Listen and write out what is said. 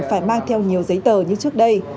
phải mang theo nhiều giấy tờ như trước đây